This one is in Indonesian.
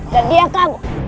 dan dia kamu